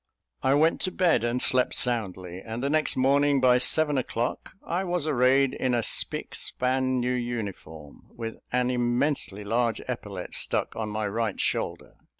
I went to bed, and slept soundly; and the next morning, by seven o'clock, I was arrayed in a spick span new uniform, with an immensely large epaulette stuck on my right shoulder.